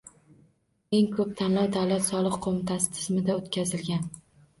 Eng ko‘p tanlov Davlat soliq qo‘mitasi tizimida o‘tkazilgan